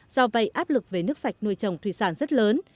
do vậy áp lực về nước sạch nuôi trồng thủy sản rất lớn